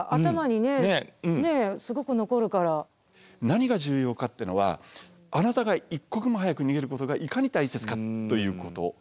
何が重要かっていうのはあなたが一刻も早く逃げることがいかに大切かということ。